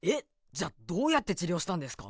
じゃあどうやって治療したんですか？